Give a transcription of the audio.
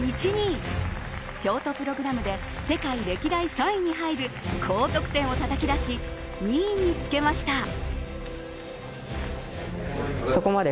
ショートプログラムで世界歴代３位に入る高得点をたたき出し２位につけました。